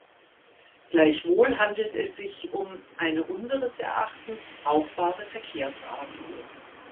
Gleichwohl handelt es sich um eine unseres Erachtens brauchbare Verkehrsart.